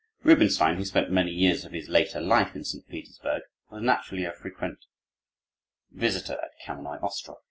Rubinstein, who spent many years of his later life at St. Petersburg, was naturally a frequent visitor at Kamennoi Ostrow.